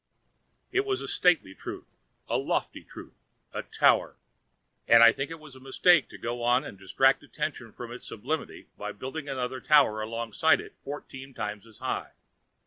It was a stately truth, a lofty truth—a Tower; and I think it was a mistake to go on and distract attention from its sublimity by building another Tower alongside of it fourteen times as high.